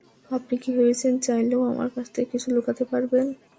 আপনি কি ভেবেছেন চাইলেই আমার কাছ থেকে কিছু লুকাতে পারবেন?